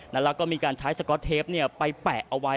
แล้วก็มีการใช้สก๊อตเทปไปแปะเอาไว้